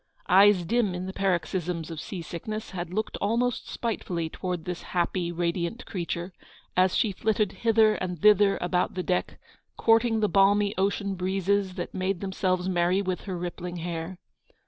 Eyes dim in the paroxysms of sea sickness, had looked almost spitefully towards this happy, radiant creature, as she flitted hither and thither about the deck, courting the balmy ocean breezes that made themselves merry with her rippling hair.